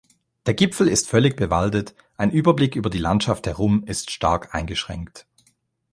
Der Gipfel ist völlig bewaldet, ein Überblick über die Landschaft herum ist stark eingeschränkt.